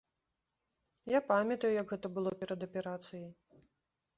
Я памятаю, як гэта было перад аперацыяй.